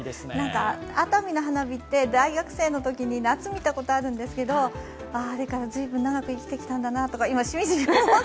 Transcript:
熱海の花火って大学生のときに夏見たことあるんですけど、あれから随分長く生きてきたんがなって、しみじみ。